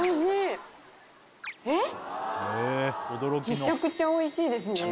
めちゃめちゃおいしい。